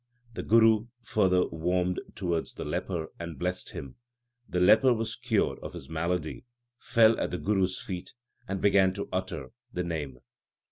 1 The Guru further warmed towards the leper and blessed him. The leper was cured of his malady, fell at the Guru s feet, and began to utter the Name.